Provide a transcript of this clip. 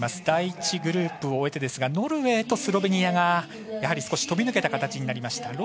第１グループを終えてノルウェーとスロベニアがやはり少し飛び抜けた形になりました。